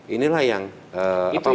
inilah yang apa menjadi ujian